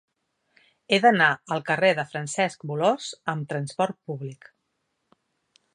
He d'anar al carrer de Francesc Bolòs amb trasport públic.